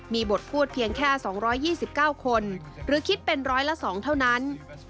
มีบทพูดเพียงแค่๒๒๙คนหรือคิดเป็นร้อยละ๒เท่านั้น